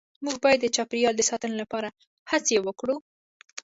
مونږ باید د چاپیریال د ساتنې لپاره هڅې وکړو